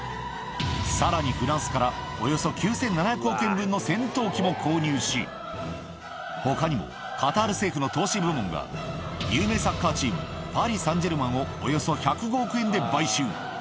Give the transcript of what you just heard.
さらに、フランスからおよそ９７００億円分の戦闘機も購入し、ほかにも、カタール政府の投資部門が、有名サッカーチーム、パリサンジェルマンをおよそ１０５億円で買収。